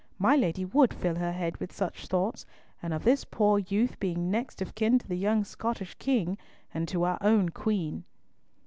My lady would fill her head with such thoughts, and of this poor youth being next of kin to the young Scottish king, and to our own Queen."